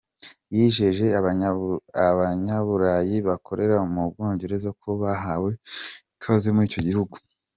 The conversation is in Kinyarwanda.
Yijeje abanyaburayi bakorera mu Bwongereza ko bahawe ikaze muri icyo gihugu.